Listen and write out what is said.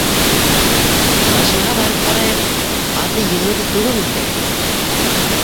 Хашимға барып ҡарайыҡ, аты егеүҙе түге микән?..